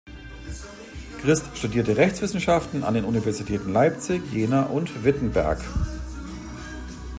Christ studierte Rechtswissenschaften an den Universitäten Leipzig, Jena und Wittenberg.